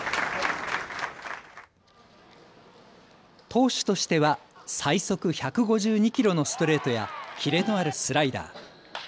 投手としては最速１５２キロのストレートや切れのあるスライダー。